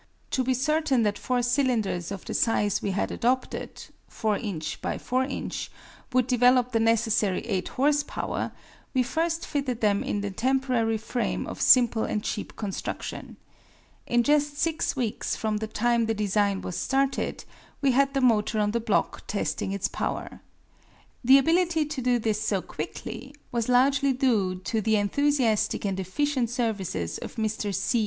To be certain that four cylinders of the size we had adopted (4" x 4") would develop the necessary 8 horse power, we first fitted them in a temporary frame of simple and cheap construction. In just six weeks from the time the design was started, we had the motor on the block testing its power. The ability to do this so quickly was largely due to the enthusiastic and efficient services of Mr. C.